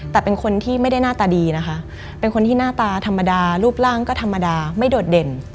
แต่เป็นคนที่ไม่ได้หน้าตาดีนะคะเป็นคนที่หน้าตาธรรมดารูปร่างก็ธรรมดาไม่โดดเด่น